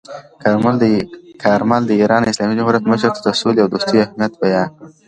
کارمل د ایران اسلامي جمهوریت مشر ته د سولې او دوستۍ اهمیت بیان کړ.